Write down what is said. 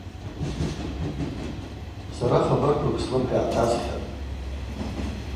Сара хабарквакӏ слымхӏа йгӏатасхьатӏ.